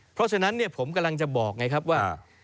เพราะฉะนั้นผมกำลังจะบอกไงครับว่า